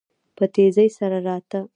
په تيزی سره راته.